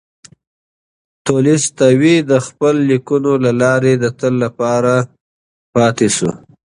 تولستوی د خپلو لیکنو له لارې د تل لپاره پاتې شو.